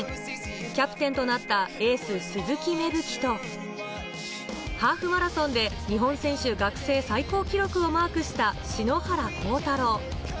キャプテンとなったエース・鈴木芽吹とハーフマラソンで日本選手学生最高記録をマークした篠原倖太朗。